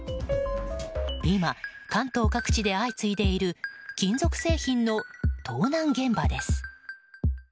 今、関東各地で相次いでいる金属製品の盗難現場です。